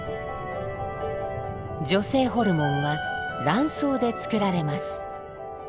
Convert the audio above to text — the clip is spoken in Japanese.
女性ホルモンは卵巣で作られます。